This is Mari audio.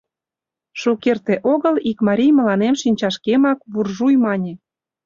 Шукерте огыл ик марий мыланем шинчашемак «буржуй» мане.